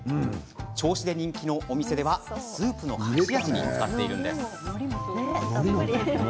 銚子で人気のお店ではスープの隠し味に使っているんです。